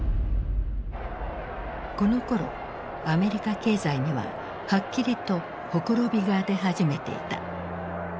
このころアメリカ経済にははっきりと綻びが出始めていた。